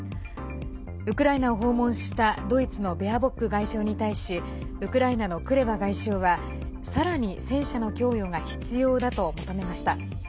ウクライナを訪問したドイツのベアボック外相に対しウクライナのクレバ外相はさらに戦車の供与が必要だと求めました。